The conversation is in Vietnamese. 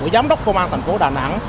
giám đốc công an thành phố đà nẵng